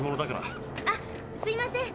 あっすいません